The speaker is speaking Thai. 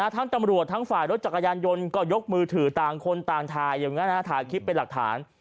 ทั้งตำรวจทั้งฝ่ายรถจักรยานยนต์ก็ยกมือถือต่างคนต่างถ่ายอย่างนั้นถ่ายคลิปเป็นหลักฐาน